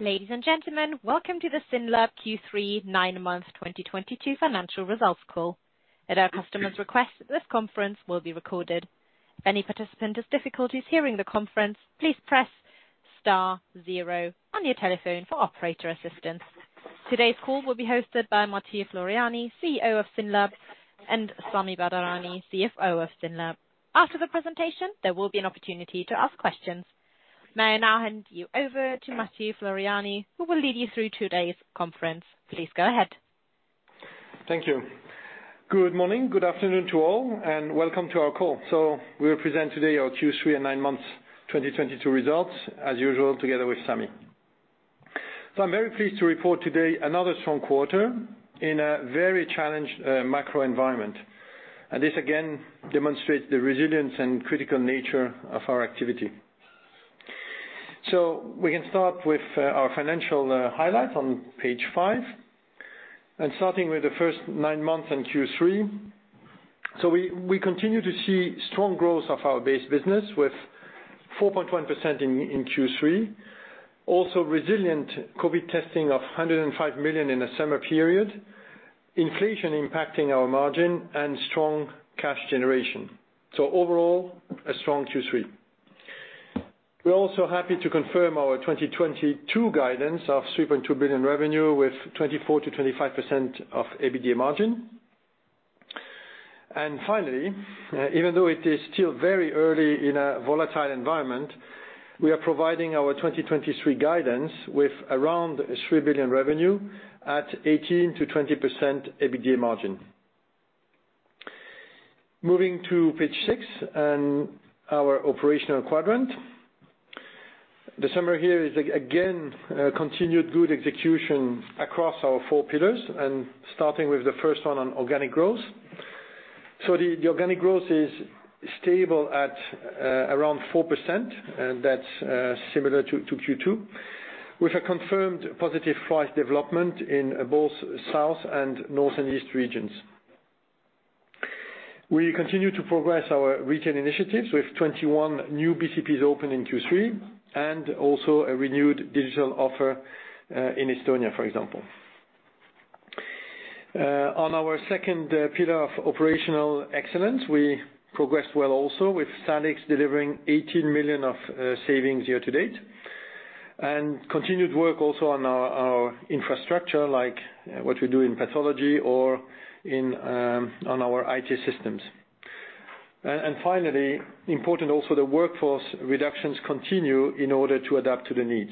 Ladies and gentlemen, welcome to the SYNLAB Q3 nine months 2022 financial results call. At our customer's request, this conference will be recorded. If any participant has difficulties hearing the conference, please press star zero on your telephone for operator assistance. Today's call will be hosted by Mathieu Floreani, CEO of SYNLAB, and Sami Badarani, CFO of SYNLAB. After the presentation, there will be an opportunity to ask questions. May I now hand you over to Mathieu Floreani, who will lead you through today's conference. Please go ahead. Thank you. Good morning, good afternoon to all and welcome to our call. We'll present today our Q3 nine months 2022 results as usual together with Sami. I'm very pleased to report today another strong quarter in a very challenged macro environment. This again demonstrates the resilience and critical nature of our activity. We can start with our financial highlights on page five, and starting with the first nine months in Q3. We continue to see strong growth of our base business with 4.1% in Q3. Also resilient COVID testing of 105 million in the summer period, inflation impacting our margin and strong cash generation. Overall, a strong Q3. We're also happy to confirm our 2022 guidance of 3.2 billion revenue with 24%-25% EBITDA margin. Finally, even though it is still very early in a volatile environment, we are providing our 2023 guidance with around 3 billion revenue at 18%-20% EBITDA margin. Moving to page six and our operational quadrant. The summary here is again continued good execution across our four pillars and starting with the first one on organic growth. The organic growth is stable at around 4%, and that's similar to Q2, with a confirmed positive price development in both South and North and East regions. We continue to progress our retail initiatives with 21 new BCPs open in Q3 and also a renewed digital offer in Estonia, for example. On our second pillar of operational excellence, we progressed well also with SynEx delivering 18 million of savings year to date. Continued work also on our infrastructure, like what we do in pathology or in on our IT systems. Finally, important also, the workforce reductions continue in order to adapt to the needs.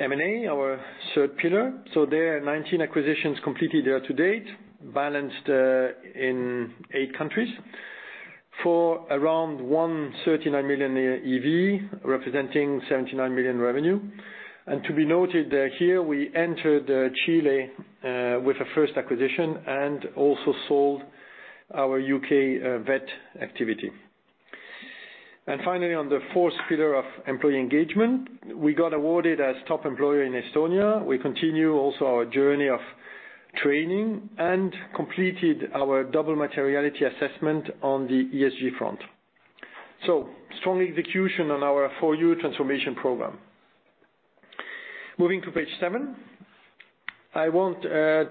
M&A, our third pillar. There are 19 acquisitions completed year to date, balanced in eight countries for around 139 million EV, representing 79 million revenue. To be noted that here we entered Chile with the first acquisition and also sold our U.K. vet activity. Finally, on the fourth pillar of employee engagement, we got awarded as Top Employer in Estonia. We continue also our journey of training and completed our double materiality assessment on the ESG front. Strong execution on our four-year transformation program. Moving to page seven, I want to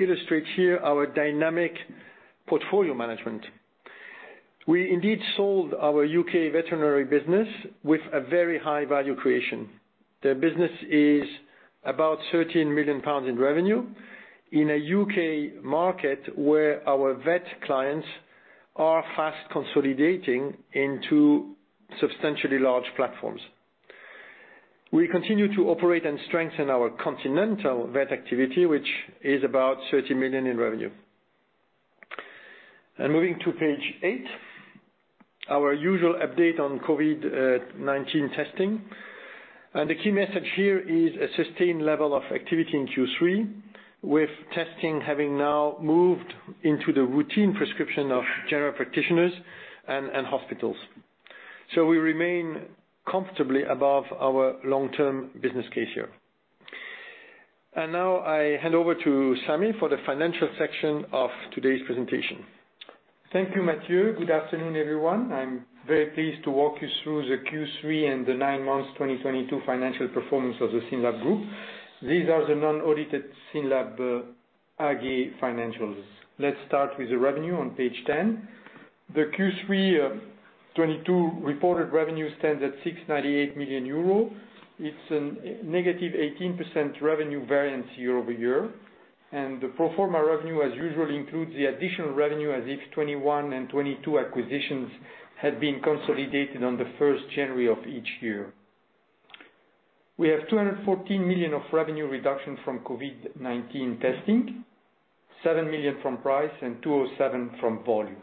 illustrate here our dynamic portfolio management. We indeed sold our U.K. veterinary business with a very high value creation. The business is about 13 million pounds in revenue in a U.K. market where our vet clients are fast consolidating into substantially large platforms. We continue to operate and strengthen our continental vet activity, which is about 30 million in revenue. Moving to page eight, our usual update on COVID-19 testing. The key message here is a sustained level of activity in Q3, with testing having now moved into the routine prescription of general practitioners and hospitals. We remain comfortably above our long-term business case here. Now I hand over to Sami for the financial section of today's presentation. Thank you, Mathieu. Good afternoon, everyone. I'm very pleased to walk you through the Q3 and the nine months 2022 financial performance of the SYNLAB Group. These are the non-audited SYNLAB AG financials. Let's start with the revenue on page 10. The Q3 2022 reported revenue stands at 698 million euro. It's a -8% revenue variance year-over-year. The pro forma revenue as usual includes the additional revenue as if 2021 and 2022 acquisitions had been consolidated on 1st January of each year. We have 214 million of revenue reduction from COVID-19 testing, 7 million from price, and 207 million from volume.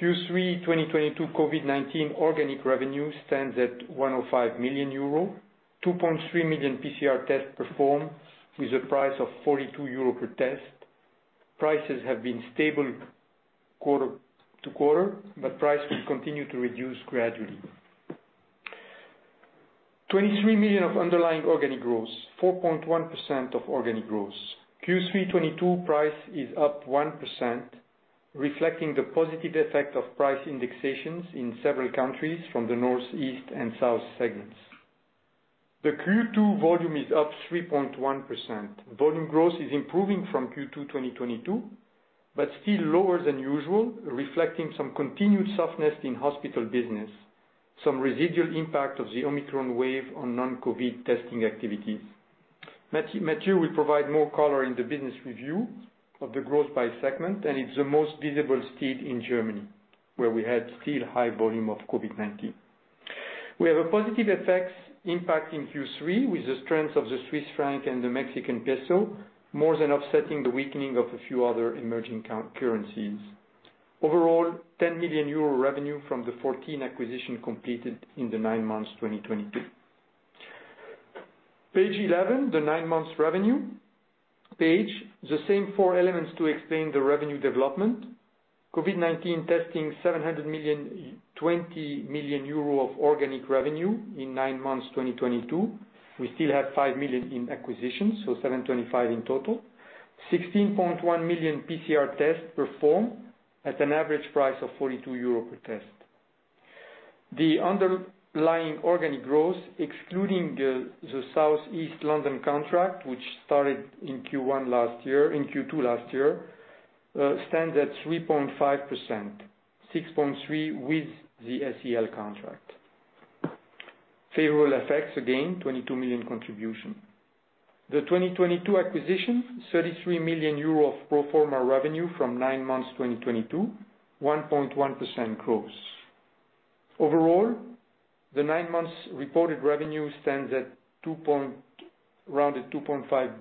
Q3 2022 COVID-19 organic revenue stands at 105 million euro, 2.3 million PCR tests performed with a price of 42 euro per test. Prices have been stable quarter to quarter, but price will continue to reduce gradually. 23 million of underlying organic growth, 4.1% of organic growth. Q3 2022 price is up 1%, reflecting the positive effect of price indexations in several countries from the Northeast and South segments. The Q2 volume is up 3.1%. Volume growth is improving from Q2 2022, but still lower than usual, reflecting some continued softness in hospital business, some residual impact of the Omicron wave on non-COVID testing activities. Mathieu will provide more color in the business review of the growth by segment, and it's the most visible state in Germany, where we had still high volume of COVID-19. We have a positive FX impact in Q3 with the strength of the Swiss franc and the Mexican peso, more than offsetting the weakening of a few other emerging countries' currencies. Overall, 10 million euro revenue from the 14 acquisitions completed in the nine months 2022. Page 11, the nine months revenue page, the same four elements to explain the revenue development. COVID-19 testing 720 million of organic revenue in nine months 2022. We still have 5 million in acquisitions, so 725 million in total. 16.1 million PCR tests performed at an average price of 42 euro per test. The underlying organic growth, excluding the Southeast London contract, which started in Q2 last year, stands at 3.5%, 6.3% with the SEL contract. Favorable effects, again, 22 million contribution. The 2022 acquisition, 33 million euro of pro forma revenue from nine months 2022, 1.1% growth. Overall, the nine months reported revenue stands at 2 point... Rounded 2.5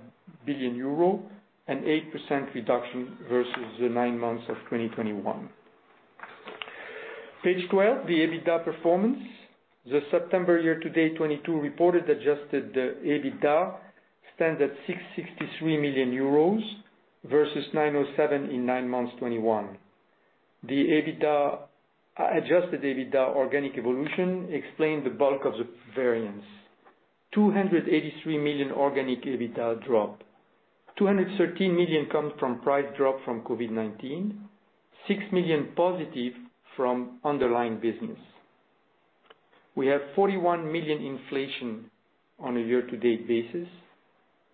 billion euro, an 8% reduction versus the nine months of 2021. Page 12, the EBITDA performance. The September year-to-date 2022 reported adjusted EBITDA stands at 663 million euros versus 907 million in nine months 2021. The adjusted EBITDA organic evolution explained the bulk of the variance. 283 million organic EBITDA drop. 213 million comes from price drop from COVID-19, 6 million positive from underlying business. We have 41 million inflation on a year-to-date basis,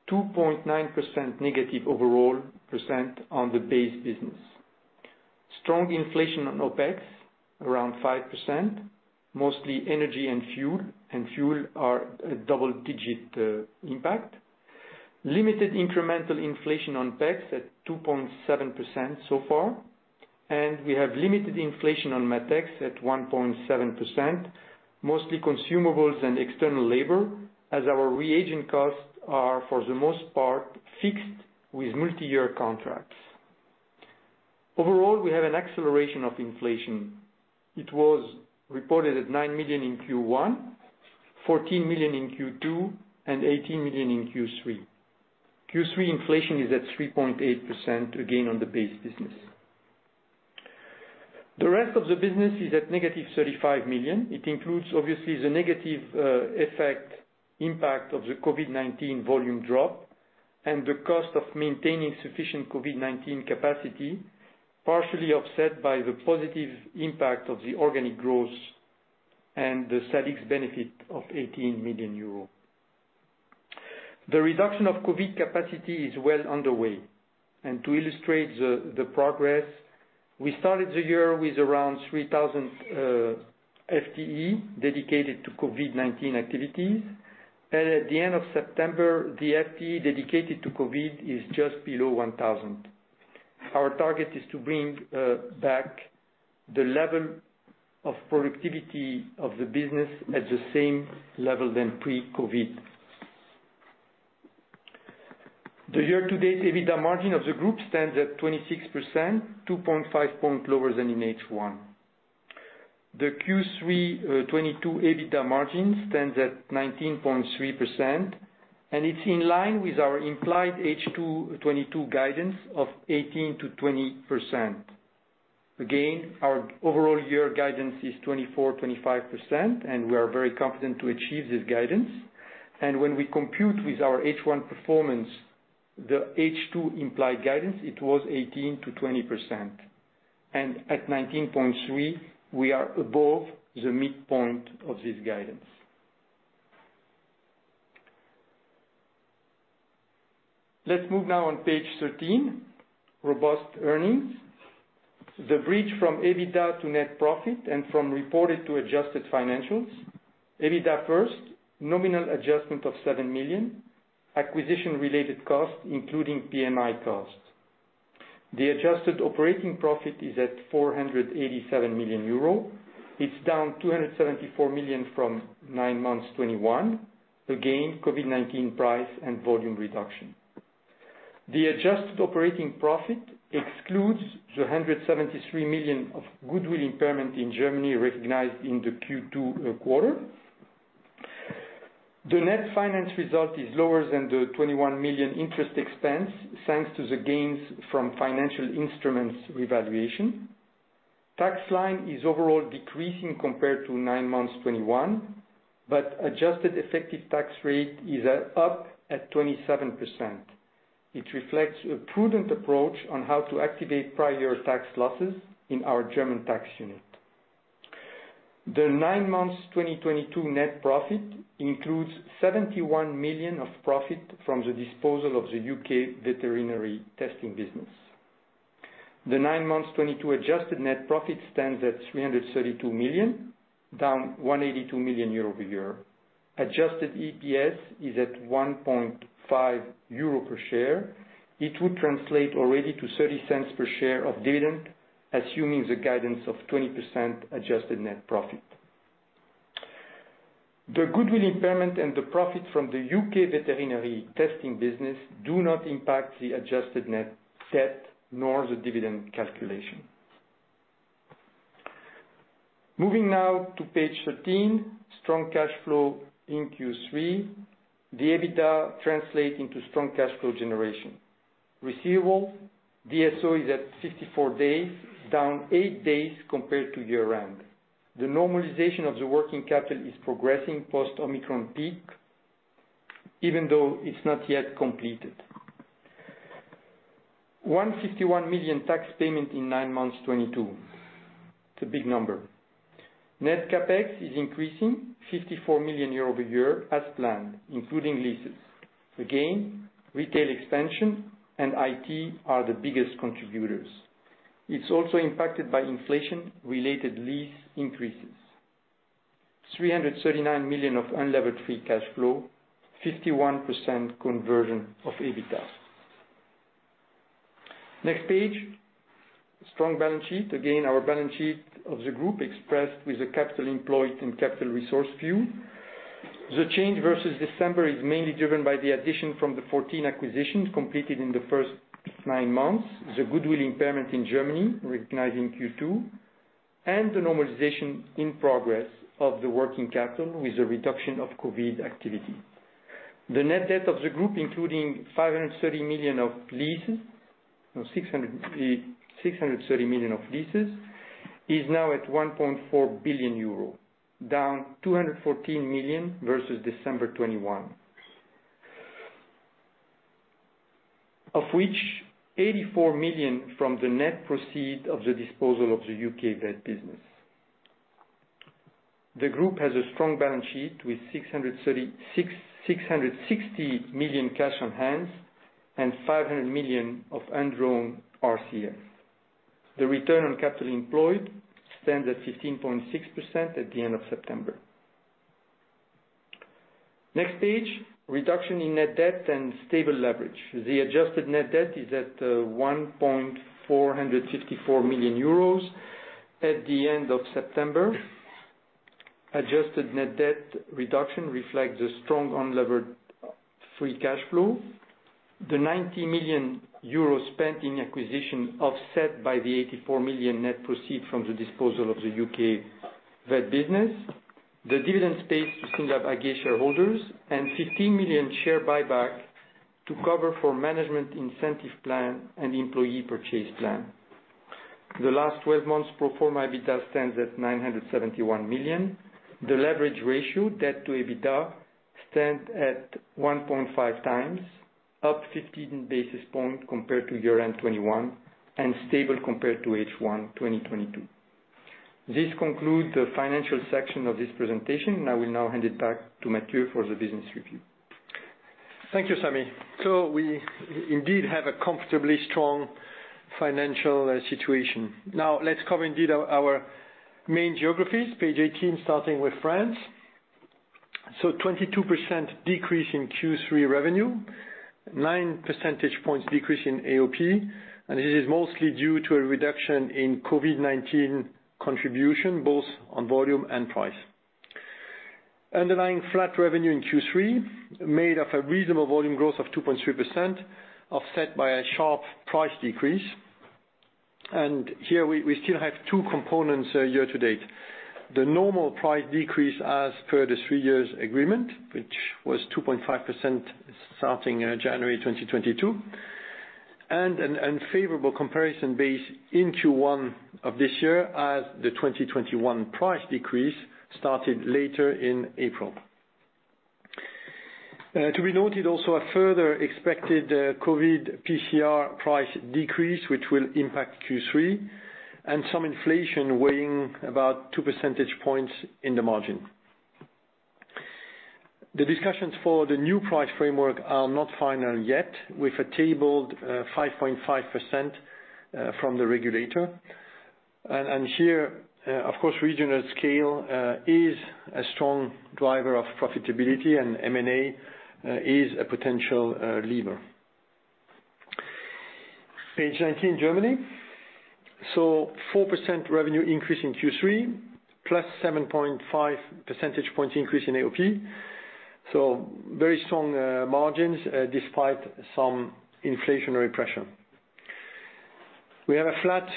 2.9% negative overall percent on the base business. Strong inflation on OpEx, around 5%, mostly energy and fuel are a double-digit impact. Limited incremental inflation on PEX at 2.7% so far. We have limited inflation on MATEX at 1.7%, mostly consumables and external labor, as our reagent costs are, for the most part, fixed with multi-year contracts. Overall, we have an acceleration of inflation. It was reported at 9 million in Q1, 14 million in Q2, and 18 million in Q3. Q3 inflation is at 3.8% again on the base business. The rest of the business is at -35 million. It includes, obviously, the negative effect impact of the COVID-19 volume drop and the cost of maintaining sufficient COVID-19 capacity, partially offset by the positive impact of the organic growth and the SynEx benefit of 18 million euros. The reduction of COVID capacity is well underway. To illustrate the progress, we started the year with around 3,000 FTE dedicated to COVID-19 activities. At the end of September, the FTE dedicated to COVID is just below 1,000. Our target is to bring back the level of productivity of the business at the same level than pre-COVID. The year-to-date EBITDA margin of the group stands at 26%, 2.5 points lower than in H1. The Q3 2022 EBITDA margin stands at 19.3%, and it's in line with our implied H2 2022 guidance of 18%-20%. Again, our overall year guidance is 24%-25%, and we are very confident to achieve this guidance. When we compute with our H1 performance, the H2 implied guidance, it was 18%-20%. At 19.3%, we are above the midpoint of this guidance. Let's move now to page 13, robust earnings. The bridge from EBITDA to net profit and from reported to adjusted financials. EBITDA first, nominal adjustment of 7 million, acquisition-related costs, including PMI costs. The adjusted operating profit is at 487 million euro. It's down 274 million from nine months 2021. Again, COVID-19 price and volume reduction. The adjusted operating profit excludes the 173 million of goodwill impairment in Germany recognized in the Q2 quarter. The net finance result is lower than the 21 million interest expense, thanks to the gains from financial instruments revaluation. Tax line is overall decreasing compared to nine months 2021, but adjusted effective tax rate is at, up at 27%. It reflects a prudent approach on how to activate prior tax losses in our German tax unit. The nine months 2022 net profit includes 71 million of profit from the disposal of the U.K. veterinary testing business. The nine months 2022 adjusted net profit stands at 332 million, down 182 million year-over-year. Adjusted EPS is at 1.5 euro per share. It would translate already to 0.30 per share of dividend, assuming the guidance of 20% adjusted net profit. The goodwill impairment and the profit from the U.K. veterinary testing business do not impact the adjusted net debt nor the dividend calculation. Moving now to page 13, strong cash flow in Q3. The EBITDA translates into strong cash flow generation. Receivables DSO is at 54 days, down eight days compared to year-end. The normalization of the working capital is progressing post-Omicron peak, even though it's not yet completed. 151 million tax payment in nine months 2022. It's a big number. Net CapEx is increasing 54 million euros year-over-year as planned, including leases. Retail expansion and IT are the biggest contributors. It's also impacted by inflation-related lease increases. 339 million of unlevered free cash flow, 51% conversion of EBITDA. Next page, strong balance sheet. Our balance sheet of the group expressed with the capital employed and capital resource view. The change versus December is mainly driven by the addition from the 14 acquisitions completed in the first nine months, the goodwill impairment in Germany, recognizing Q2, and the normalization in progress of the working capital with the reduction of COVID activity. The net debt of the group, including 630 million of leases, is now at 1.4 billion euro, down 214 million versus December 2021. Of which 84 million from the net proceeds of the disposal of the U.K. vet business. The group has a strong balance sheet with 660 million cash on hand and 500 million of undrawn RCF. The return on capital employed stands at 15.6% at the end of September. Next page, reduction in net debt and stable leverage. The adjusted net debt is at 1,454 million euros at the end of September. Adjusted net debt reduction reflects the strong unlevered free cash flow. The 90 million euros spent in acquisition offset by the 84 million net proceeds from the disposal of the U.K. vet business, the dividend paid to SYNLAB AG shareholders, and 15 million share buyback to cover for management incentive plan and employee purchase plan. The last 12 months pro forma EBITDA stands at 971 million. The leverage ratio, debt to EBITDA, stands at 1.5x, up 15 basis points compared to year-end 2021, and stable compared to H1 2022. This concludes the financial section of this presentation, and I will now hand it back to Mathieu for the business review. Thank you, Sami. We indeed have a comfortably strong financial situation. Now let's cover indeed our main geographies, page 18, starting with France. 22% decrease in Q3 revenue, 9 percentage points decrease in AOP, and it is mostly due to a reduction in COVID-19 contribution, both on volume and price. Underlying flat revenue in Q3 made up a reasonable volume growth of 2.3%, offset by a sharp price decrease. Here we still have two components, year to date. The normal price decrease as per the three years agreement, which was 2.5% starting, January 2022, and an unfavorable comparison base in Q1 of this year as the 2021 price decrease started later in April. To be noted also a further expected COVID PCR price decrease, which will impact Q3, and some inflation weighing about 2 percentage points in the margin. The discussions for the new price framework are not final yet, with a tabled 5.5% from the regulator. Here, of course, regional scale is a strong driver of profitability and M&A is a potential lever. Page 19, Germany. 4% revenue increase in Q3 plus 7.5 percentage points increase in AOP. Very strong margins despite some inflationary pressure. We have a flat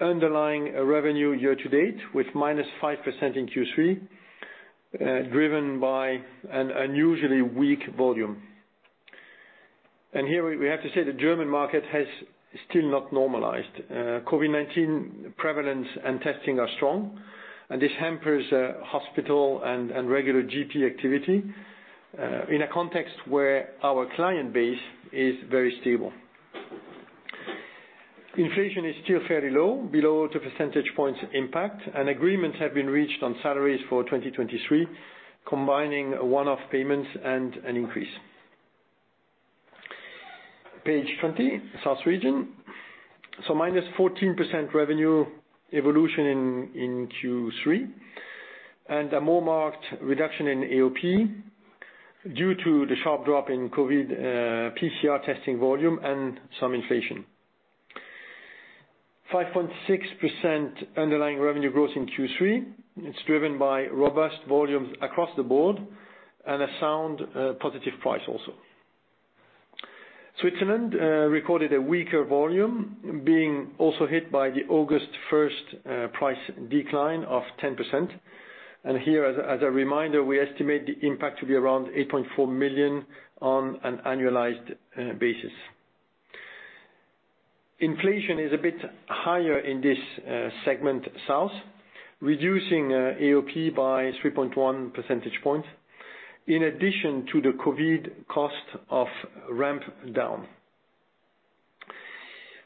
underlying revenue year to date with -5% in Q3, driven by an unusually weak volume. Here we have to say the German market has still not normalized. COVID-19 prevalence and testing are strong, and this hampers hospital and regular GP activity in a context where our client base is very stable. Inflation is still fairly low, below the percentage points impact, and agreements have been reached on salaries for 2023, combining one-off payments and an increase. Page 20, South Region. -14% revenue evolution in Q3, and a more marked reduction in AOP due to the sharp drop in COVID PCR testing volume and some inflation. 5.6% underlying revenue growth in Q3. It's driven by robust volumes across the board and a sound positive price also. Switzerland recorded a weaker volume, being also hit by the August first price decline of 10%. Here, as a reminder, we estimate the impact to be around 8.4 million on an annualized basis. Inflation is a bit higher in this segment South, reducing AOP by 3.1 percentage points in addition to the COVID cost of ramp down.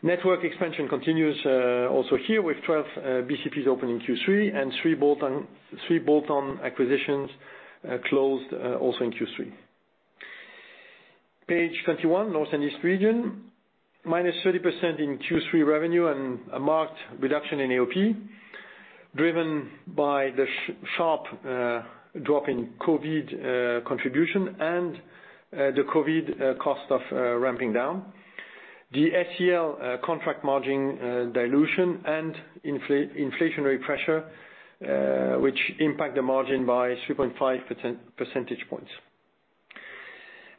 Network expansion continues also here with 12 BCPs opening Q3 and three bolt-on acquisitions closed also in Q3. Page 21, North and East Region, -30% in Q3 revenue and a marked reduction in AOP, driven by the sharp drop in COVID contribution and the COVID cost of ramping down. The SEL contract margin dilution and inflationary pressure, which impact the margin by 3.5 percentage points.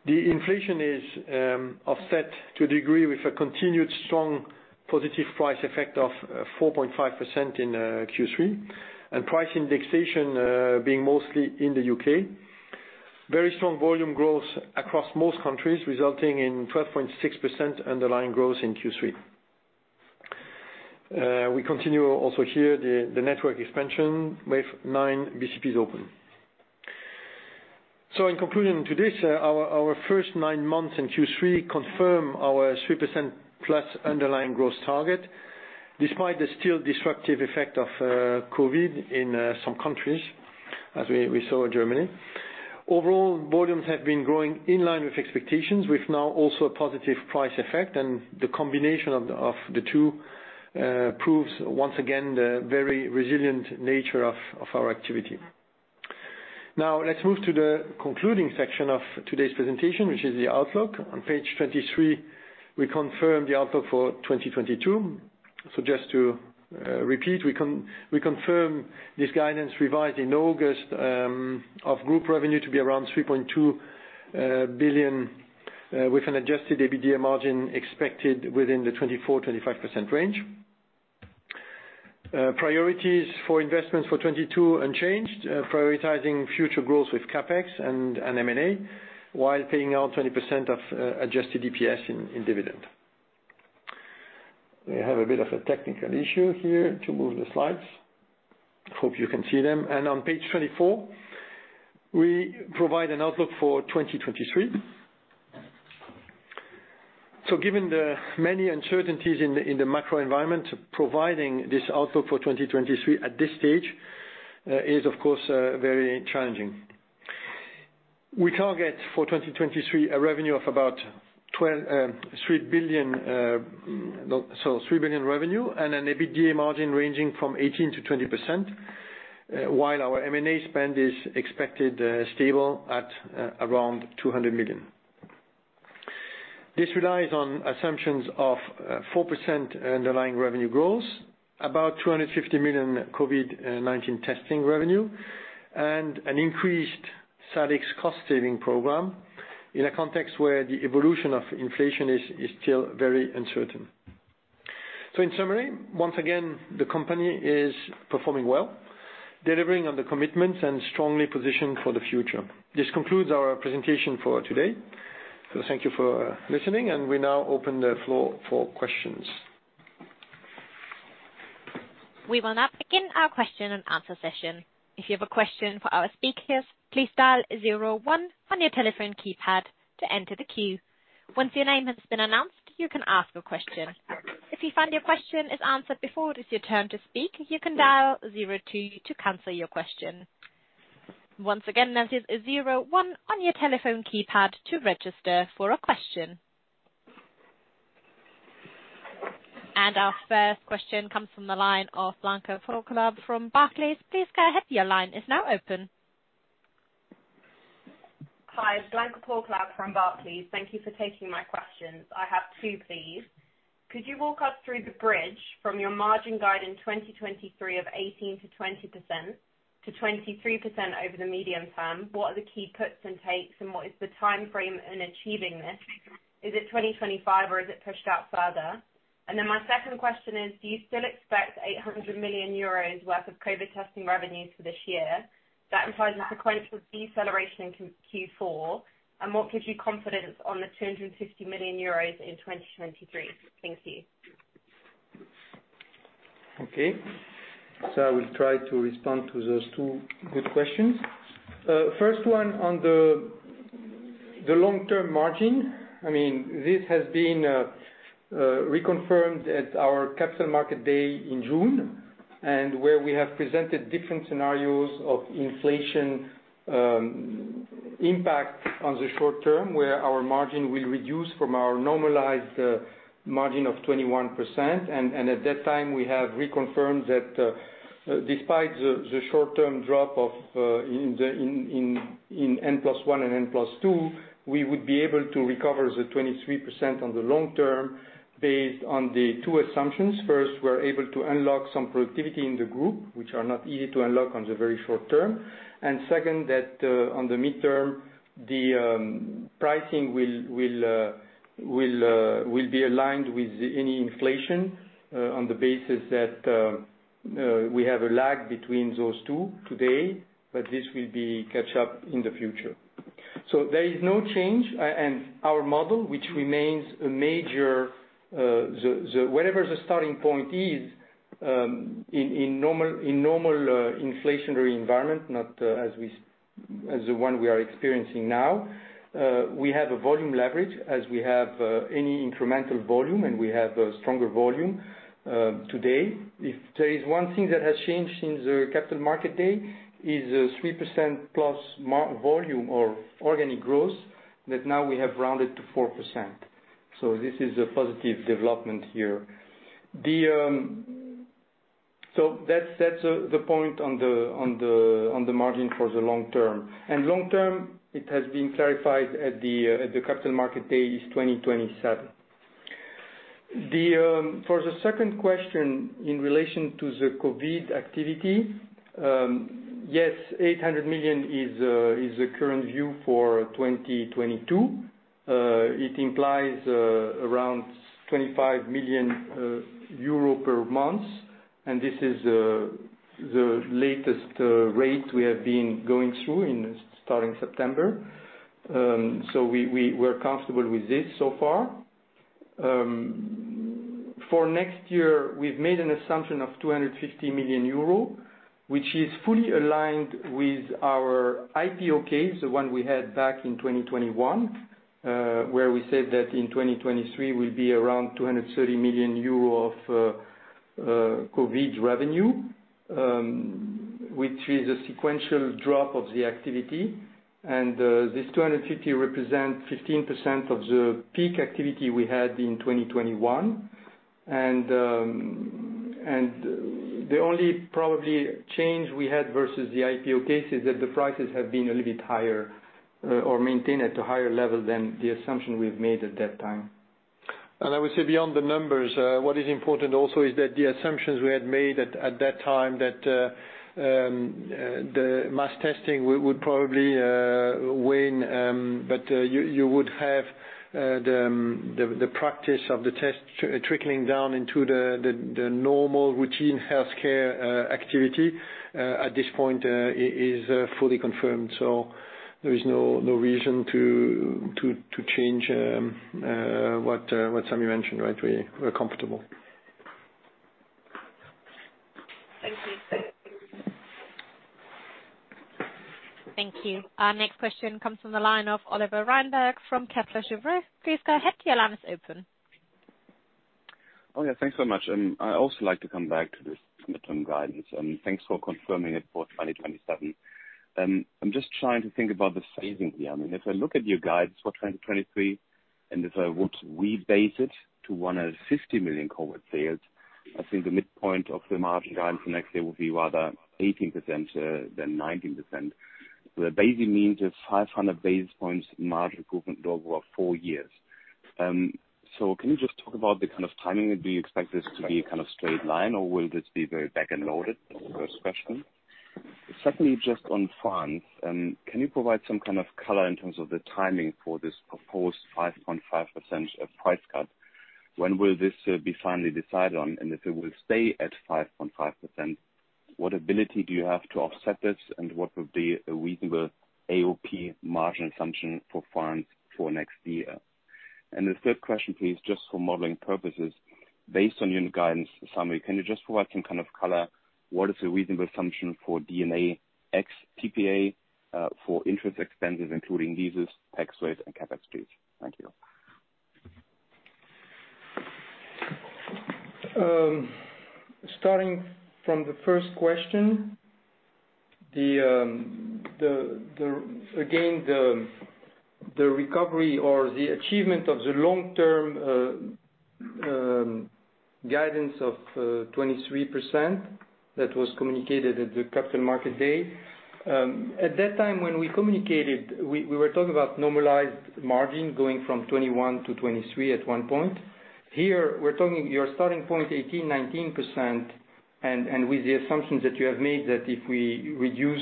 The inflation is offset to a degree with a continued strong positive price effect of 4.5% in Q3, and price indexation being mostly in the U.K. Very strong volume growth across most countries, resulting in 12.6% underlying growth in Q3. We continue also here the network expansion with nine BCPs open. In conclusion to this, our first nine months in Q3 confirm our 3%+ underlying growth target, despite the still disruptive effect of COVID in some countries, as we saw in Germany. Overall, volumes have been growing in line with expectations. We've now also a positive price effect, and the combination of the two proves once again the very resilient nature of our activity. Now let's move to the concluding section of today's presentation, which is the outlook. On page 23, we confirm the outlook for 2022. Just to repeat, we confirm this guidance revised in August of group revenue to be around 3.2 billion with an adjusted EBITDA margin expected within the 24%-25% range. Priorities for investments for 2022 unchanged, prioritizing future growth with CapEx and M&A, while paying out 20% of adjusted EPS in dividend. We have a bit of a technical issue here to move the slides. Hope you can see them. On page 24, we provide an outlook for 2023. Given the many uncertainties in the macro environment, providing this outlook for 2023 at this stage is of course very challenging. We target for 2023 a revenue of about 3 billion revenue and an EBITDA margin ranging from 18%-20%, while our M&A spend is expected stable at around 200 million. This relies on assumptions of 4% underlying revenue growth, about 250 million COVID-19 testing revenue, and an increased SynEx cost saving program in a context where the evolution of inflation is still very uncertain. In summary, once again, the company is performing well, delivering on the commitments and strongly positioned for the future. This concludes our presentation for today. Thank you for listening, and we now open the floor for questions. We will now begin our question and answer session. If you have a question for our speakers, please dial zero one on your telephone keypad to enter the queue. Once your name has been announced, you can ask a question. If you find your question is answered before it is your turn to speak, you can dial zero two to cancel your question. Once again, that is zero one on your telephone keypad to register for a question. Our first question comes from the line of Blanka Porkolab from Barclays. Please go ahead. Your line is now open. Hi, Blanka Porkolab from Barclays. Thank you for taking my questions. I have two, please. Could you walk us through the bridge from your margin guide in 2023 of 18%-20% to 23% over the medium term? What are the key puts and takes, and what is the timeframe in achieving this? Is it 2025, or is it pushed out further? Then my second question is, do you still expect 800 million euros worth of COVID testing revenues for this year? That implies a sequential deceleration in Q4. What gives you confidence on the 250 million euros in 2023? Thanks to you. Okay. I will try to respond to those two good questions. First one on the long-term margin. I mean, this has been reconfirmed at our Capital Markets Day in June, and where we have presented different scenarios of inflation impact on the short term, where our margin will reduce from our normalized margin of 21%. At that time, we have reconfirmed that, despite the short-term drop in N+1 and N+2, we would be able to recover the 23% on the long term based on the two assumptions. First, we're able to unlock some productivity in the group which are not easy to unlock on the very short term. Second, that on the mid-term, pricing will be aligned with any inflation on the basis that we have a lag between those two today, but this will be catch up in the future. There is no change and our model, which remains a major wherever the starting point is, in normal inflationary environment, not as the one we are experiencing now, we have a volume leverage as we have any incremental volume, and we have a stronger volume today. If there is one thing that has changed since the Capital Markets Day is a 3%+ volume or organic growth that now we have rounded to 4%. This is a positive development here. That's the point on the margin for the long term. Long term, it has been clarified at the Capital Markets Day is 2027. For the second question in relation to the COVID activity, yes, 800 million is the current view for 2022. It implies around 25 million euro per month, and this is the latest rate we have been going through in starting September. We're comfortable with this so far. For next year, we've made an assumption of 250 million euro, which is fully aligned with our IPO case, the one we had back in 2021, where we said that in 2023 will be around 230 million euro of COVID revenue, which is a sequential drop of the activity. This 250 million represent 15% of the peak activity we had in 2021. The only probable change we had versus the IPO case is that the prices have been a little bit higher or maintained at a higher level than the assumption we've made at that time. I would say beyond the numbers, what is important also is that the assumptions we had made at that time that the mass testing would probably wane, but you would have the practice of the test trickling down into the normal routine healthcare activity at this point is fully confirmed. There is no reason to change what Sami mentioned, right? We're comfortable. Thank you. Thank you. Our next question comes from the line of Oliver Reinberg from Kepler Cheuvreux. Please go ahead. Your line is open. Thanks so much. I also like to come back to this midterm guidance, and thanks for confirming it for 2027. I'm just trying to think about the savings here. I mean, if I look at your guidance for 2023, and if I were to rebase it to 150 million COVID sales, I think the midpoint of the margin guidance next year will be rather 18%, than 19%, which basically means a 500 basis points margin improvement over four years. So can you just talk about the kind of timing? Do you expect this to be kind of straight line, or will this be very back-end loaded? First question. Secondly, just on France, can you provide some kind of color in terms of the timing for this proposed 5.5% price cut? When will this be finally decided on? If it will stay at 5.5%, what ability do you have to offset this, and what would be a reasonable AOP margin assumption for France for next year? The third question, please, just for modeling purposes, based on your guidance summary, can you just provide some kind of color? What is a reasonable assumption for D&A ex TPA for interest expenses including leases, tax rates, and CapEx? Thank you. Starting from the first question, again, the recovery or the achievement of the long-term guidance of 23% that was communicated at the Capital Markets Day. At that time when we communicated, we were talking about normalized margin going from 21%-23% at one point. Here, we're talking your starting point 18%-19%, and with the assumptions that you have made, that if we reduce,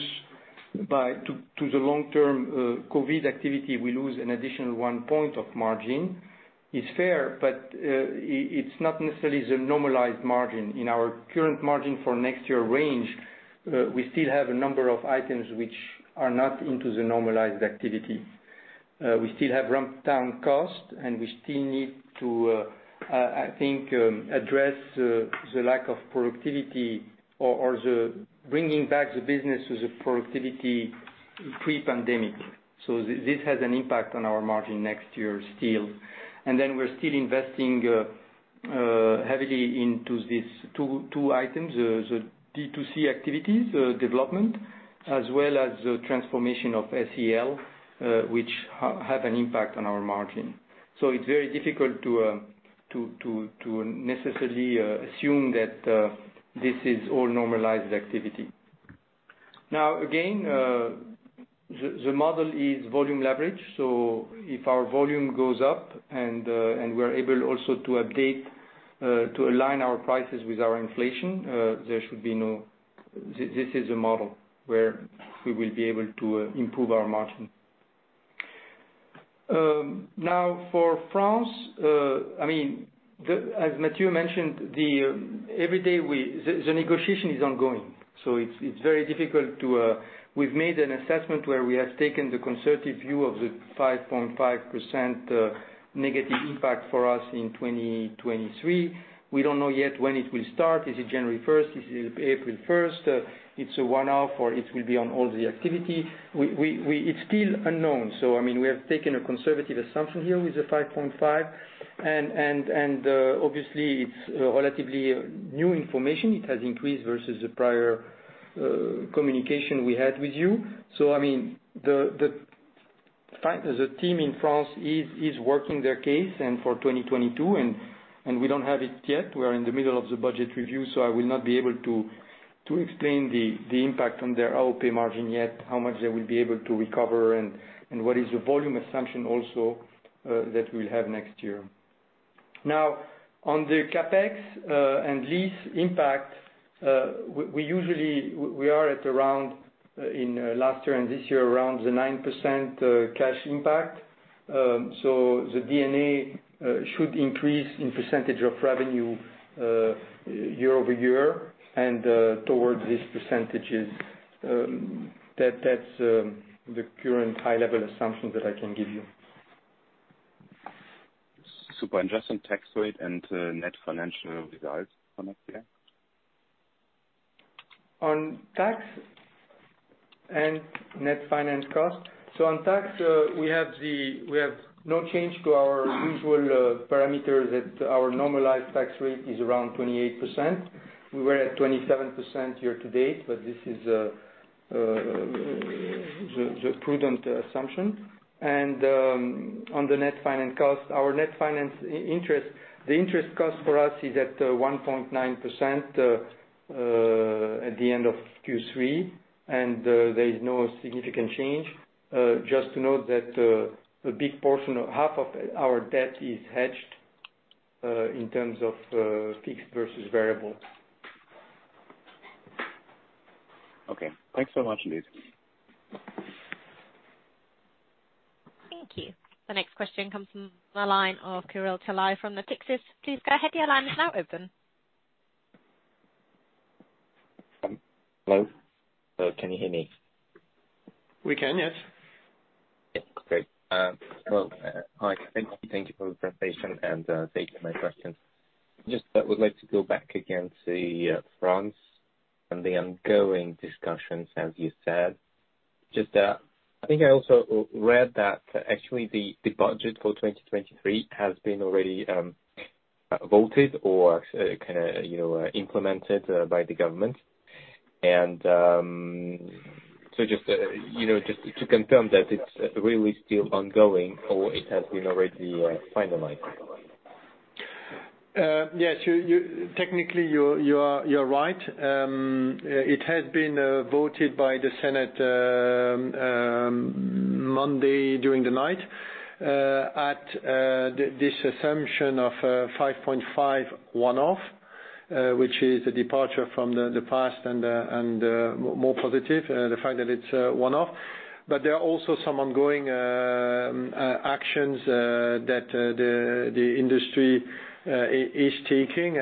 but to the long-term COVID activity, we lose an additional 1 point of margin is fair, but it's not necessarily the normalized margin. In our current margin for next year range, we still have a number of items which are not into the normalized activity. We still have ramp-down costs, and we still need to address the lack of productivity or the bringing back the business to the productivity pre-pandemic. This has an impact on our margin next year still. We're still investing heavily into these two items, the D2C activities development, as well as the transformation of SEL, which have an impact on our margin. It's very difficult to necessarily assume that this is all normalized activity. Now, again, the model is volume leverage. If our volume goes up and we're able also to update to align our prices with our inflation. This is a model where we will be able to improve our margin. Now for France, I mean, as Mathieu mentioned, the negotiation is ongoing, so it's very difficult to. We've made an assessment where we have taken the conservative view of the 5.5% negative impact for us in 2023. We don't know yet when it will start. Is it January 1st? Is it April 1st? It's a one-off, or it will be on all the activity. It's still unknown. I mean, we have taken a conservative assumption here with the 5.5%. Obviously, it's relatively new information. It has increased versus the prior communication we had with you. I mean, the fact is the team in France is working their case and for 2022, and we don't have it yet. We are in the middle of the budget review, so I will not be able to explain the impact on their AOP margin yet, how much they will be able to recover and what is the volume assumption also that we'll have next year. Now, on the CapEx and lease impact, we are at around, in last year and this year, around the 9% cash impact. The D&A should increase in percentage of revenue year-over-year and towards these percentages. That's the current high level assumption that I can give you. Super. Just on tax rate and net financial results from up here. On tax and net finance cost. On tax, we have no change to our usual parameter that our normalized tax rate is around 28%. We were at 27% year to date, but this is the prudent assumption. On the net finance cost, our net finance interest, the interest cost for us is at 1.9% at the end of Q3, and there is no significant change. Just to note that a big portion or half of our debt is hedged in terms of fixed versus variable. Okay. Thanks so much, indeed. Thank you. The next question comes from the line of Kirill Talai from Natixis. Please go ahead. Your line is now open. Hello? Hello, can you hear me? We can, yes. Yeah. Great. Well, hi. Thank you for the presentation and, thanks for my question. Just, would like to go back again to, France and the ongoing discussions, as you said. Just, I think I also read that actually the budget for 2023 has been already, voted or kinda, you know, implemented by the government. Just, you know, just to confirm that it's really still ongoing or it has been already finalized. Yes. Technically, you're right. It has been voted by the Senate Monday during the night at this assumption of 5.5% one-off, which is a departure from the past and more positive the fact that it's a one-off. There are also some ongoing actions that the industry is taking.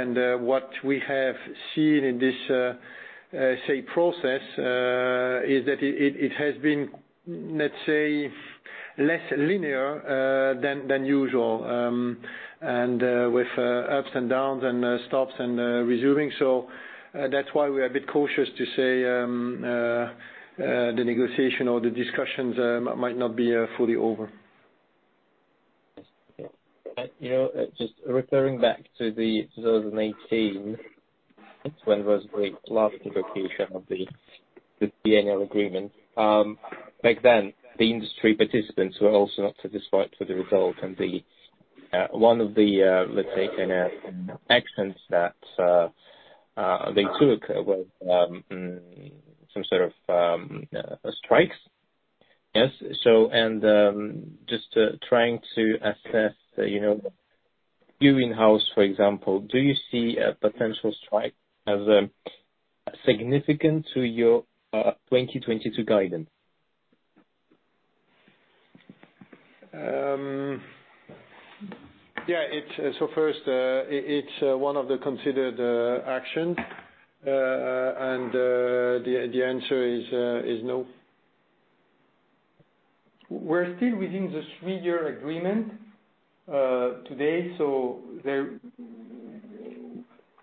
What we have seen in this say process is that it has been, let's say, less linear than usual and with ups and downs and stops and resuming. That's why we're a bit cautious to say the negotiation or the discussions might not be fully over. You know, just referring back to 2018, when was the last negotiation of the biennial agreement. Back then, the industry participants were also not satisfied with the result and one of the, let's say, actions that they took was some sort of strikes. Yes. Just trying to assess, you know, in-house, for example, do you see a potential strike as significant to your 2022 guidance? First, it is one of the considered actions. The answer is no. We're still within the three-year agreement today.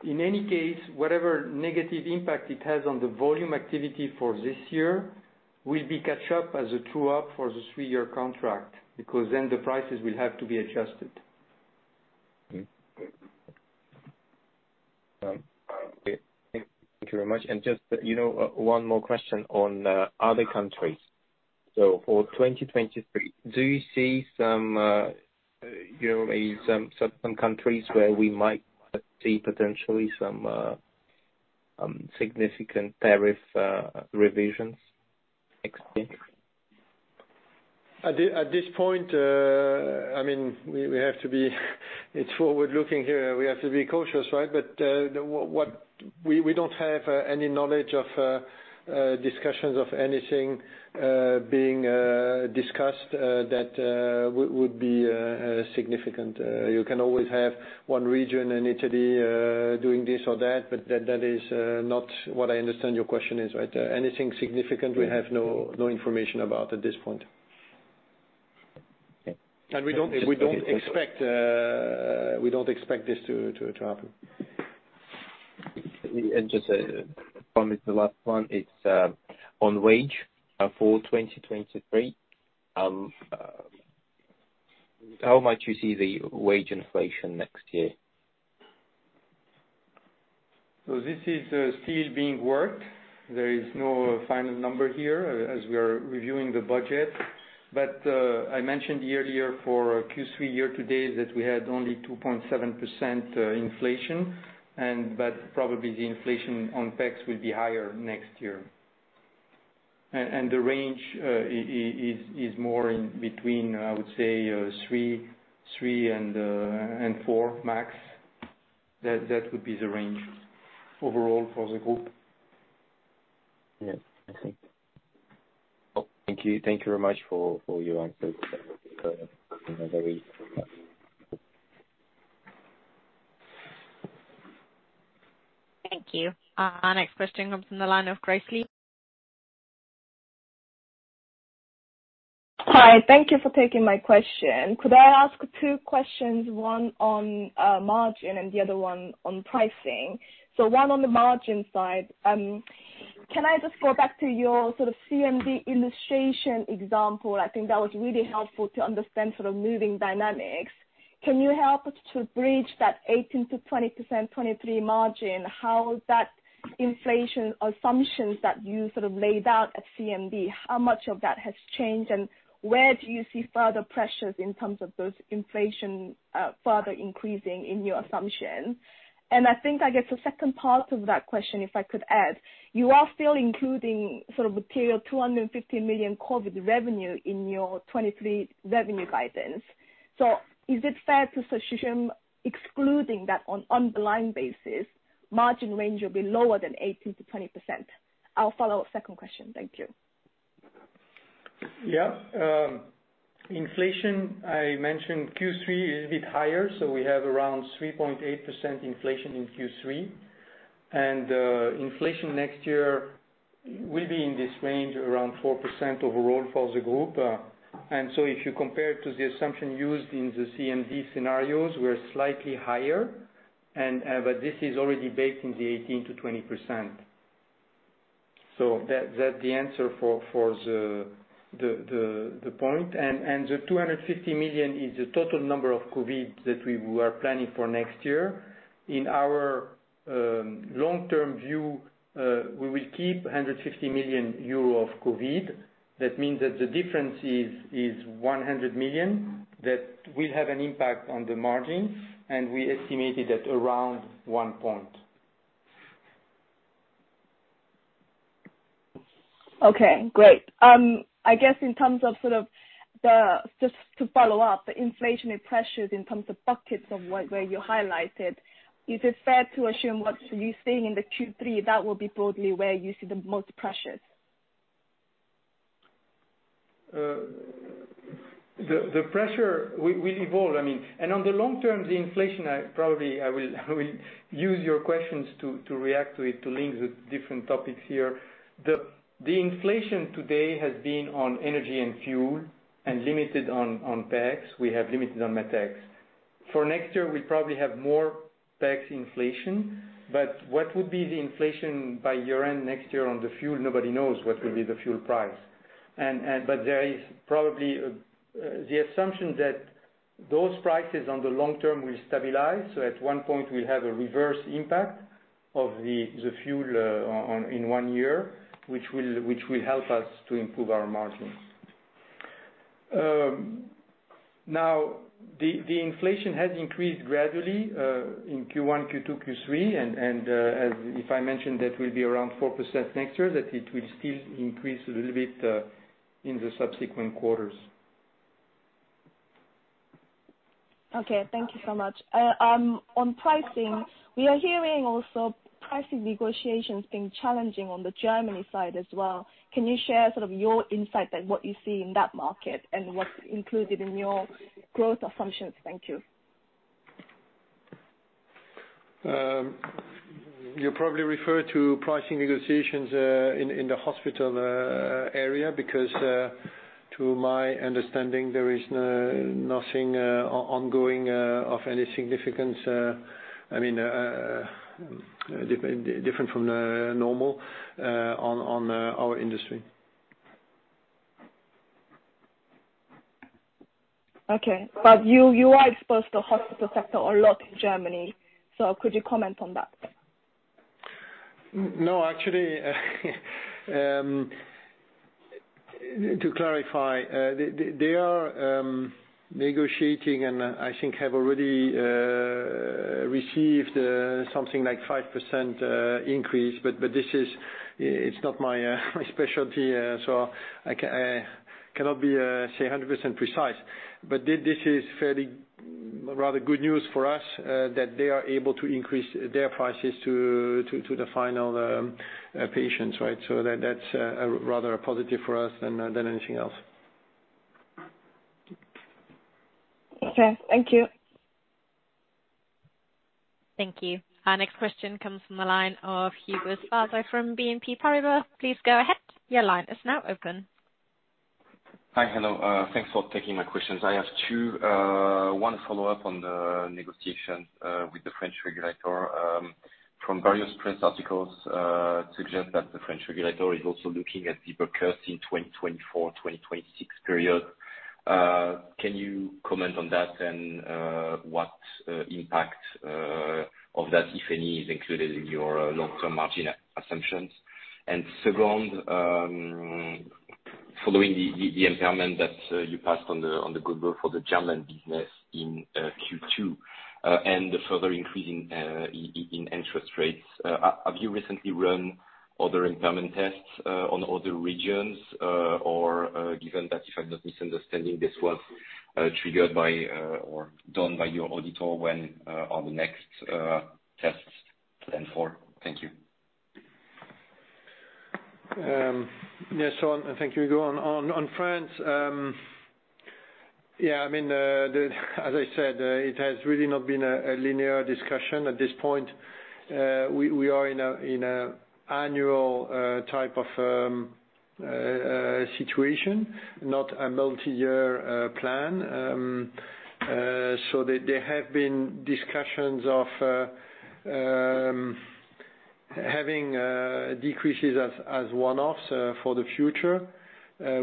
In any case, whatever negative impact it has on the volume activity for this year will be caught up as a true-up for the three-year contract, because then the prices will have to be adjusted. Thank you very much. Just, you know, one more question on other countries. For 2023, do you see some certain countries where we might see potentially some significant tariff revisions expected? At that point, I mean, we have to be a bit forward looking here. We have to be cautious, right? What we don't have any knowledge of discussions of anything being discussed that would be significant. You can always have one region in Italy doing this or that, but that is not what I understand your question is, right? Anything significant, we have no information about at this point. Okay. We don't expect this to happen. Just promise the last one. It's on wage for 2023. How much you see the wage inflation next year? This is still being worked. There is no final number here as we are reviewing the budget. I mentioned earlier for Q3 year to date that we had only 2.7% inflation, but probably the inflation on PEX will be higher next year. The range is more in between, I would say, 3% and 4% max. That would be the range overall for the group. Yeah, I think. Thank you. Thank you very much for your answers. You know, very Thank you. Next question comes from the line of Grace Lee. Hi. Thank you for taking my question. Could I ask two questions, one on margin and the other one on pricing? One on the margin side, can I just go back to your sort of CMD illustration example? I think that was really helpful to understand sort of moving dynamics. Can you help to bridge that 18%-20% 2023 margin, how that inflation assumptions that you sort of laid out at CMD, how much of that has changed? And where do you see further pressures in terms of those inflation further increasing in your assumption? And I think, I guess the second part of that question, if I could add, you are still including sort of material 250 million COVID revenue in your 2023 revenue guidance. Is it fair to assume, excluding that on blind basis, margin range will be lower than 18%-20%? I'll follow second question. Thank you. Yeah. Inflation, I mentioned Q3 is a bit higher, so we have around 3.8% inflation in Q3. Inflation next year will be in this range around 4% overall for the group. If you compare to the assumption used in the CMD scenarios, we're slightly higher, but this is already baked in the 18%-20%. That the answer for the point. The 250 million is the total number of COVID that we were planning for next year. In our long-term view, we will keep 150 million euro of COVID. That means that the difference is 100 million, that will have an impact on the margin, and we estimated at around 1 point. Okay, great. I guess in terms of sort of the just to follow up, inflationary pressures in terms of buckets of what, where you highlighted, is it fair to assume what you're seeing in the Q3, that will be broadly where you see the most pressures? The pressure will evolve, I mean. On the long term, the inflation, I probably I will use your questions to react to it, to link the different topics here. The inflation today has been on energy and fuel and limited on PEX. We have limited on MATEX. For next year, we probably have more PEX inflation. What would be the inflation by year-end next year on the fuel? Nobody knows what will be the fuel price. But there is probably the assumption that those prices on the long term will stabilize. At one point we'll have a reverse impact of the fuel in one year, which will help us to improve our margins. Now the inflation has increased gradually in Q1, Q2, Q3, and as I mentioned, that will be around 4% next year, it will still increase a little bit in the subsequent quarters. Okay, thank you so much. On pricing, we are hearing also pricing negotiations being challenging on the Germany side as well. Can you share sort of your insight and what you see in that market and what's included in your growth assumptions? Thank you. You probably refer to pricing negotiations in the hospital area because to my understanding there is nothing ongoing of any significance. I mean, different from the normal on our industry. Okay. You are exposed to hospital sector a lot in Germany, so could you comment on that? No, actually, to clarify, they are negotiating and I think have already received something like 5% increase. This is, it's not my specialty, so I cannot say 100% precise. This is fairly rather good news for us that they are able to increase their prices to the final patients, right? That's rather a positive for us than anything else. Okay, thank you. Thank you. Our next question comes from the line of from BNP Paribas. Please go ahead. Your line is now open. Thanks for taking my questions. I have two. One follow-up on the negotiation with the French regulator. From various press articles suggest that the French regulator is also looking at deeper cuts in 2024-2026 period. Can you comment on that and what impact of that, if any, is included in your long-term margin assumptions? Second, following the impairment that you passed on the goodwill for the German business in Q2 and the further increase in interest rates, have you recently run other impairment tests on other regions? Or, given that if I'm not misunderstanding, this was triggered by or done by your auditor when are the next tests planned for? Thank you. Yes, thank you, Hugo. On France, yeah, I mean, as I said, it has really not been a linear discussion at this point. We are in an annual type of situation, not a multiyear plan. There have been discussions of having decreases as one-offs for the future,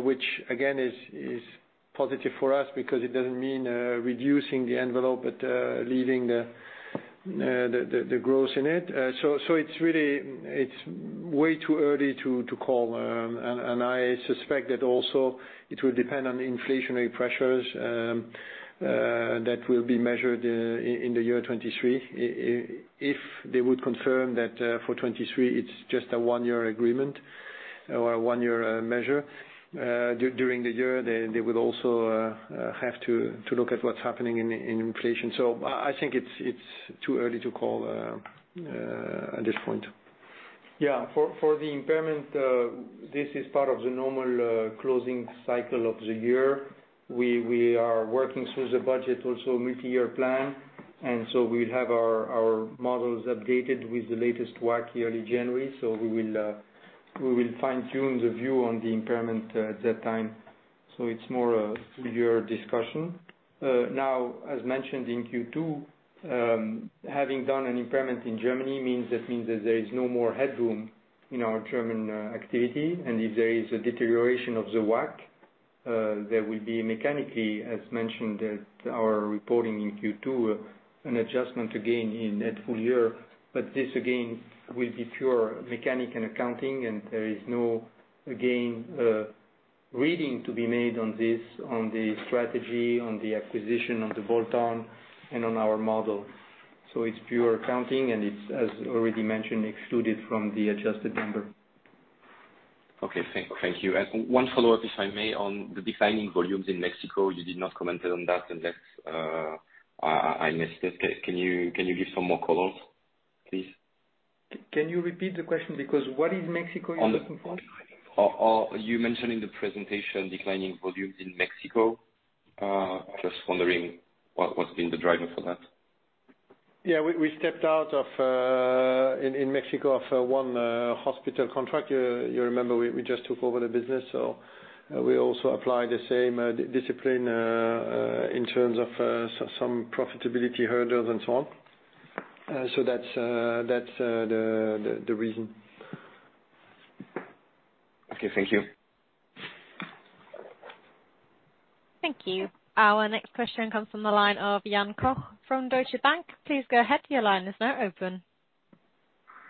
which again is positive for us because it doesn't mean reducing the envelope but leaving the growth in it. It's really way too early to call. I suspect that also it will depend on the inflationary pressures that will be measured in the year 2023. If they would confirm that, for 2023 it's just a one-year agreement or a one-year measure during the year, they would also have to look at what's happening in inflation. I think it's too early to call at this point. Yeah. For the impairment, this is part of the normal closing cycle of the year. We are working through the budget also multi-year plan, and we'll have our models updated with the latest WACC early January. We will fine-tune the view on the impairment at that time. It's more a through your discussion. Now as mentioned in Q2, having done an impairment in Germany means that there is no more headroom in our German activity. If there is a deterioration of the WACC, there will be mechanically, as mentioned at our reporting in Q2, an adjustment again in at full year. This again will be pure mechanics and accounting and there is no, again, reading to be made on this, on the strategy, on the acquisition, on the bolt-on, and on our model. It's pure accounting, and it's, as already mentioned, excluded from the adjusted number. Okay. Thank you. One follow-up, if I may, on the declining volumes in Mexico. You did not comment on that unless I missed it. Can you give some more color, please? Can you repeat the question? Because what metrics you're looking for? You mentioned in the presentation declining volumes in Mexico. Just wondering what's been the driver for that? Yeah. We stepped out of one hospital contract in Mexico. You remember we just took over the business, so we also apply the same discipline in terms of some profitability hurdles and so on. That's the reason. Okay. Thank you. Thank you. Our next question comes from the line of Jan Koch from Deutsche Bank. Please go ahead. Your line is now open.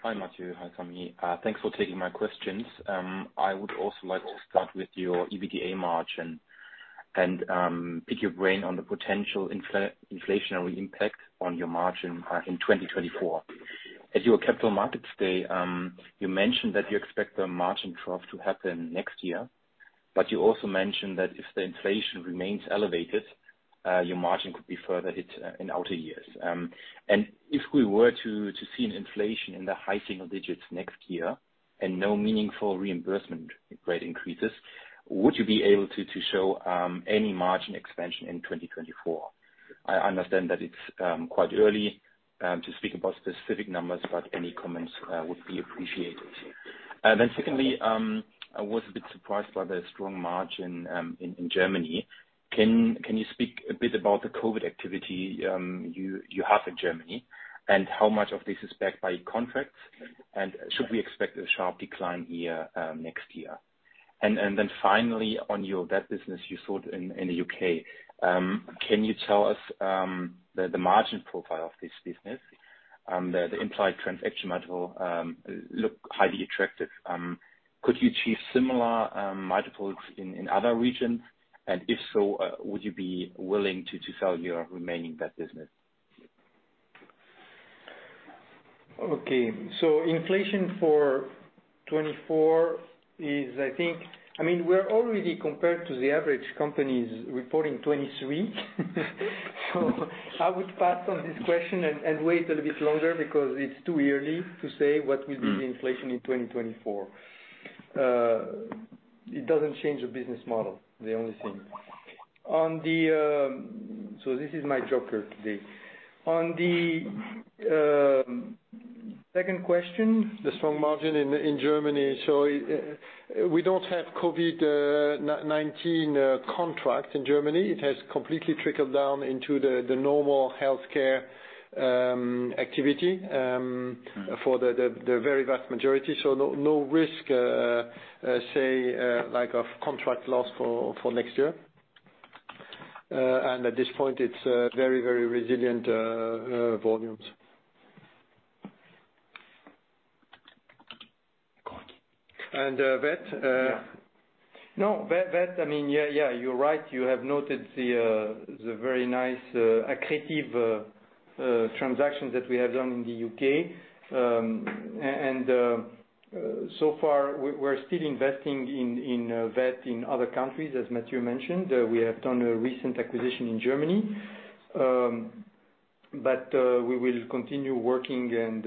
Hi, Mathieu. Hi, Sami. Thanks for taking my questions. I would also like to start with your EBITDA margin and pick your brain on the potential inflationary impact on your margin in 2024. At your Capital Markets Day, you mentioned that you expect the margin trough to happen next year, but you also mentioned that if the inflation remains elevated, your margin could be further hit in outer years. If we were to see an inflation in the high single digits next year and no meaningful reimbursement rate increases, would you be able to show any margin expansion in 2024? I understand that it's quite early to speak about specific numbers, but any comments would be appreciated. Secondly, I was a bit surprised by the strong margin in Germany. Can you speak a bit about the COVID activity you have in Germany? How much of this is backed by contracts? Should we expect a sharp decline here next year? Then finally, on your vet business you sold in the U.K. Can you tell us the margin profile of this business? The implied transaction multiple looks highly attractive. Could you achieve similar multiples in other regions? If so, would you be willing to sell your remaining vet business? Okay. Inflation for 2024 is, I think. I mean, we're already compared to the average companies reporting 2023. I would pass on this question and wait a little bit longer because it's too early to say what will be the inflation in 2024. It doesn't change the business model, the only thing. This is my joker today. On the second question, the strong margin in Germany. We don't have COVID-19 contract in Germany. It has completely trickled down into the normal healthcare activity for the very vast majority. No risk, say, like, of contract loss for next year. And at this point, it's very resilient volumes. Go on. And, uh, vet, uh- Yeah. I mean, yeah, you're right. You have noted the very nice accretive transactions that we have done in the U.K. So far, we're still investing in other countries, as Mathieu mentioned. We have done a recent acquisition in Germany. We will continue working and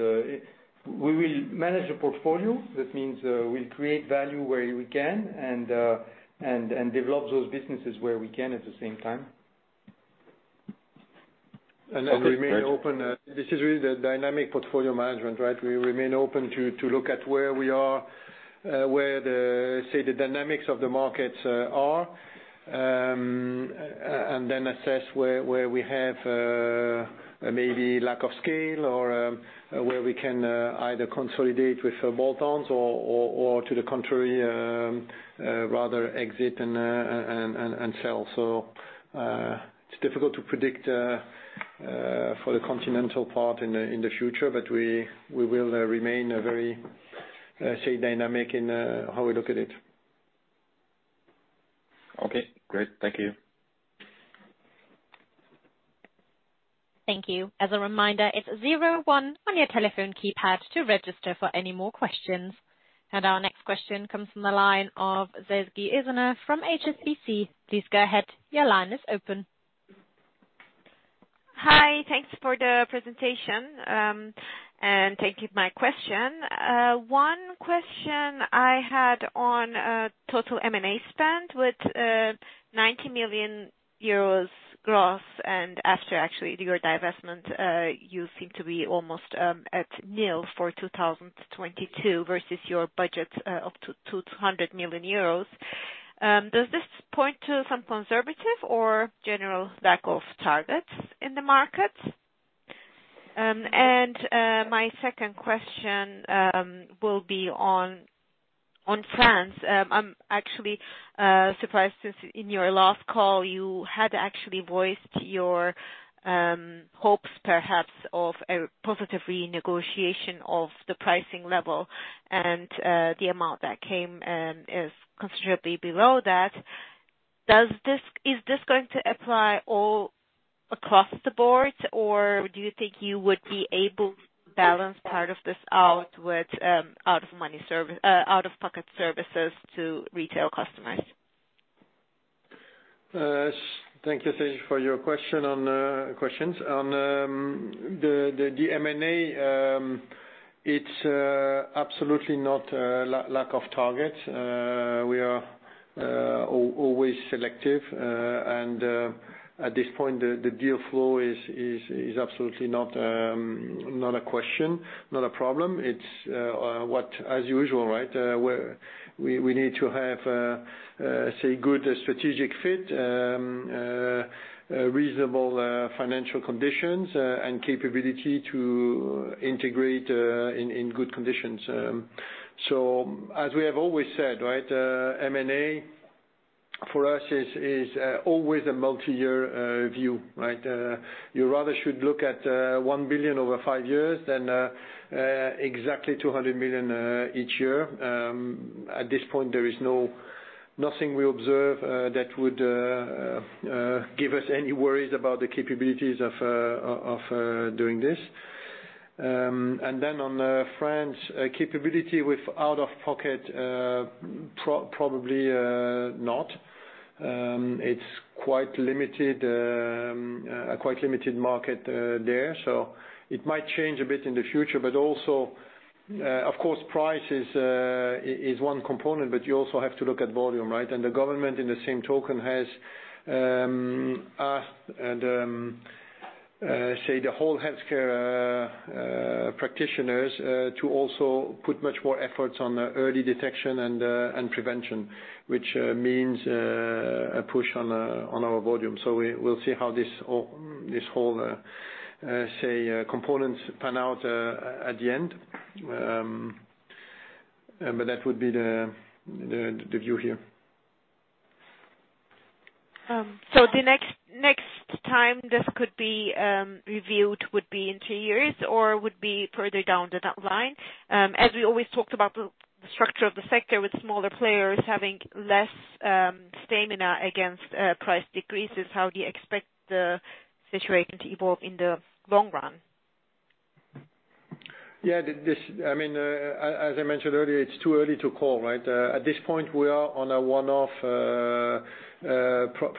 we will manage the portfolio. That means, we'll create value where we can and develop those businesses where we can at the same time. Okay, great. We remain open. This is really the dynamic portfolio management, right? We remain open to look at where we are, where the, say, the dynamics of the markets are. And then assess where we have maybe lack of scale or where we can either consolidate with bolt-ons or to the contrary rather exit and sell. It's difficult to predict for the continental part in the future, but we will remain a very, say, dynamic in how we look at it. Okay, great. Thank you. Thank you. As a reminder, it's zero one on your telephone keypad to register for any more questions. Our next question comes from the line of Sezgi Oezener from HSBC. Please go ahead. Your line is open. Hi. Thanks for the presentation. Thank you for my question. One question I had on total M&A spend with 90 million euros growth and after actually your divestment, you seem to be almost at nil for 2022 versus your budget up to 200 million euros. Does this point to some conservative or general lack of targets in the market? My second question will be on France. I'm actually surprised since in your last call you had actually voiced your hopes perhaps of a positive renegotiation of the pricing level, and the amount that came is considerably below that. Is this going to apply all across the board, or do you think you would be able to balance part of this out with out-of-pocket services to retail customers? Thank you, Sezgi, for your question on questions. On the M&A, it's absolutely not a lack of targets. We are always selective. At this point, the deal flow is absolutely not a question, not a problem. It's, as usual, right, we need to have a good strategic fit, reasonable financial conditions, and capability to integrate in good conditions. As we have always said, right, M&A for us is always a multiyear view, right? You rather should look at 1 billion over five years than exactly 200 million each year. At this point, there is nothing we observe that would give us any worries about the capabilities of doing this. On France capability with out-of-pocket probably not. It's quite limited, quite a limited market there. It might change a bit in the future, but also, of course, price is one component, but you also have to look at volume, right? The government, in the same token, has asked and, say, the whole healthcare practitioners to also put much more efforts on early detection and prevention, which means a push on our volume. We'll see how this all, this whole, say, components pan out at the end. That would be the view here. The next time this could be reviewed would be in two years or would be further down the line? As we always talked about the structure of the sector with smaller players having less stamina against price decreases, how do you expect the situation to evolve in the long run? Yeah. I mean, as I mentioned earlier, it's too early to call, right? At this point we are on a one off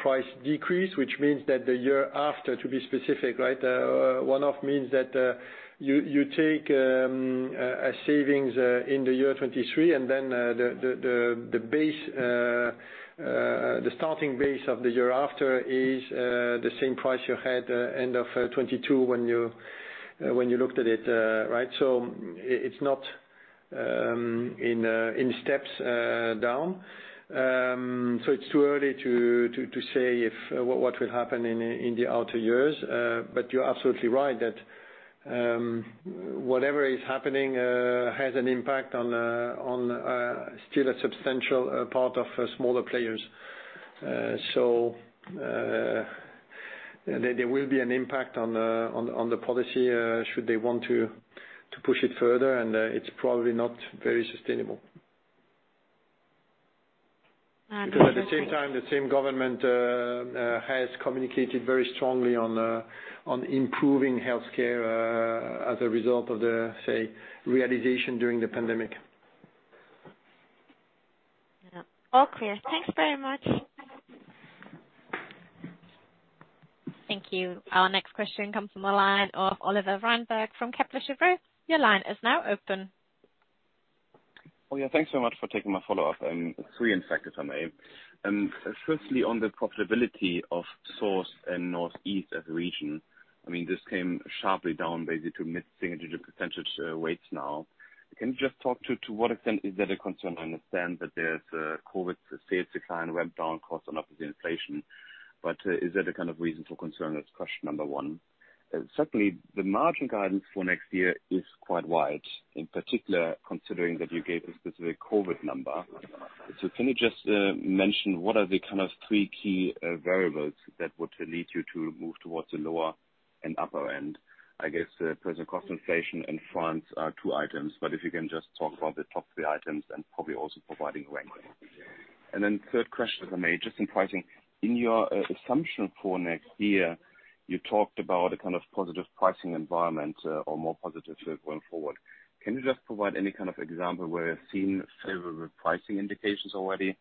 price decrease, which means that the year after, to be specific, right, one off means that you take a savings in the year 2023, and then the starting base of the year after is the same price you had end of 2022 when you looked at it, right. It's not in steps down. It's too early to say what will happen in the outer years. You're absolutely right that whatever is happening has an impact on still a substantial part of smaller players. There will be an impact on the policy should they want to push it further. It's probably not very sustainable. That's all. Thank you. Because at the same time, the same government has communicated very strongly on improving healthcare as a result of the, say, realization during the pandemic. All clear. Thanks very much. Thank you. Our next question comes from the line of Oliver Reinberg from Kepler Cheuvreux. Your line is now open. Oh, yeah. Thanks so much for taking my follow up. Three in fact, if I may. Firstly, on the profitability of South and Northeast as a region, I mean, this came sharply down basically to mid-single percentage weights now. Can you just talk to what extent is that a concern? I understand that there's a COVID sales decline, went down costs and offsetting inflation, but is that a kind of reason for concern? That's question number one. Secondly, the margin guidance for next year is quite wide, in particular considering that you gave a specific COVID number. Can you just mention what are the kind of three key variables that would lead you to move towards the lower and upper end? I guess, personnel cost inflation and France are two items, but if you can just talk about the top three items and probably also providing ranking. Third question for me, just in pricing. In your assumption for next year, you talked about a kind of positive pricing environment or more positive going forward. Can you just provide any kind of example where you're seeing favorable pricing indications already?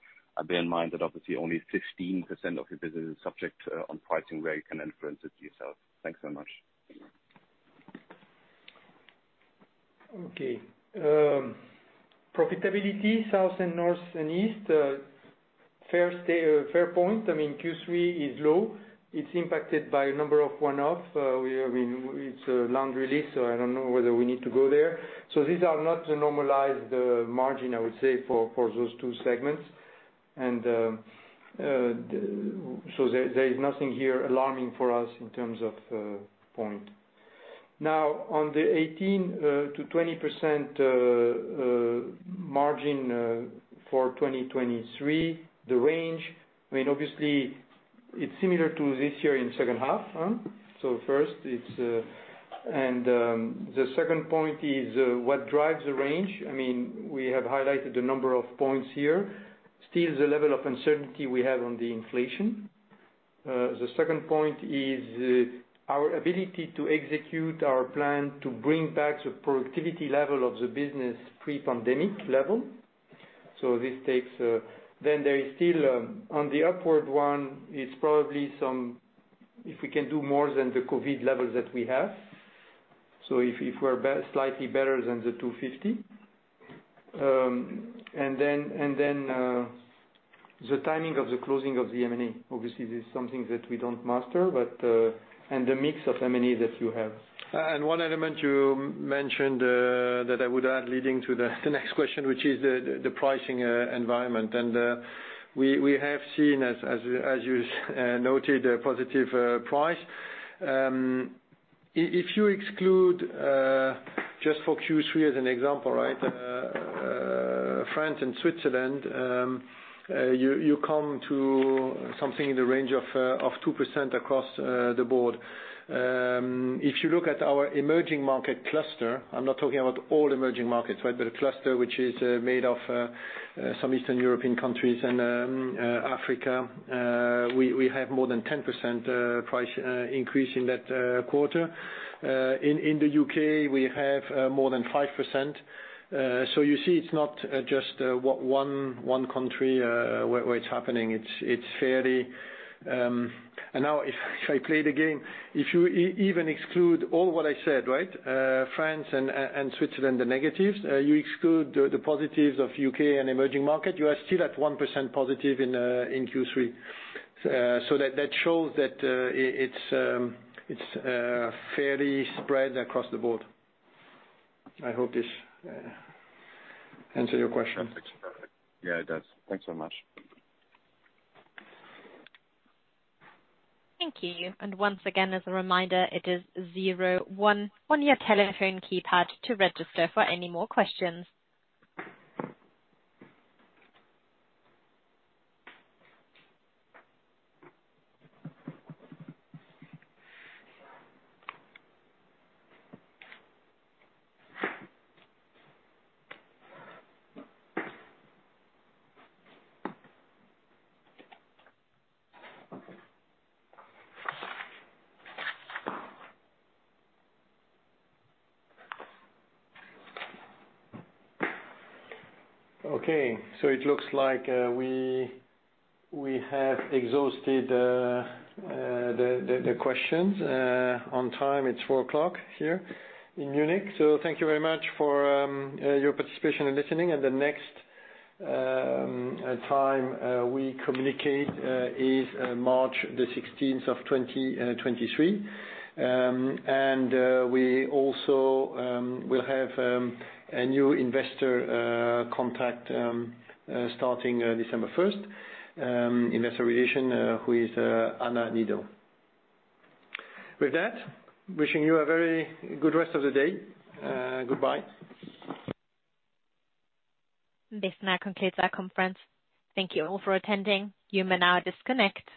Bear in mind that obviously only 15% of your business is subject to pricing, where you can influence it yourself. Thanks so much. Okay. Profitability, South and North and East. Fair point. I mean, Q3 is low. It's impacted by a number of one-offs. It's a long release, so I don't know whether we need to go there. These are not the normalized margin, I would say, for those two segments. There is nothing here alarming for us in terms of point. Now on the 18%-20% margin for 2023, the range, I mean, obviously it's similar to this year in second half. So first it's. The second point is what drives the range. I mean, we have highlighted a number of points here. Still, the level of uncertainty we have on the inflation. The second point is our ability to execute our plan to bring back the productivity level of the business pre-pandemic level. There is still, on the upside, it's probably if we can do more than the COVID levels that we have. If we're slightly better than 250 million. The timing of the closing of the M&A. Obviously this is something that we don't master, but the mix of M&A that you have. One element you mentioned that I would add leading to the next question, which is the pricing environment. We have seen, as you noted, a positive price. If you exclude just for Q3 as an example, right, France and Switzerland, you come to something in the range of 2% across the board. If you look at our emerging market cluster, I'm not talking about all emerging markets, right? A cluster which is made of some Eastern European countries and Africa. We have more than 10% price increase in that quarter. In the U.K., we have more than 5%. You see, it's not just one country where it's happening. It's fairly. Now if I play the game, if you even exclude all what I said, right, France and Switzerland, the negatives, you exclude the positives of U.K. and emerging market, you are still at 1% positive in Q3. That shows that it's fairly spread across the board. I hope this answer your question. Yeah, it does. Thanks so much. Thank you. Once again, as a reminder, it is zero one on your telephone keypad to register for any more questions. Okay, it looks like we have exhausted the questions on time. It's 4:00 P.M. here in Munich. Thank you very much for your participation in listening. The next time we communicate is March 16, 2023. We also will have a new investor contact starting December 1st, Investor Relations who is Anna Niedl. With that, wishing you a very good rest of the day. Goodbye. This now concludes our conference. Thank you all for attending. You may now disconnect.